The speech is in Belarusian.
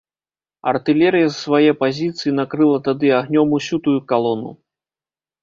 Артылерыя з свае пазіцыі накрыла тады агнём усю тую калону.